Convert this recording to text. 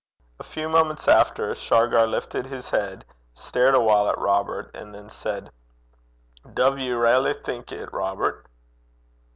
A few moments after, Shargar lifted his head, stared a while at Robert, and then said, 'Duv you railly think it, Robert?'